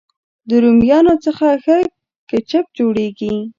د رومیانو څخه ښه کېچپ جوړېږي.